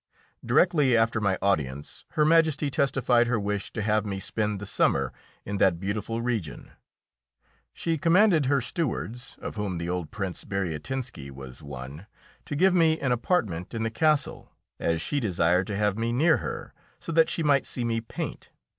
Directly after my audience Her Majesty testified her wish to have me spend the summer in that beautiful region. She commanded her stewards, of whom the old Prince Bariatinski was one, to give me an apartment in the castle, as she desired to have me near her, so that she might see me paint.